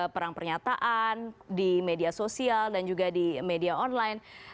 perang pernyataan di media sosial dan juga di media online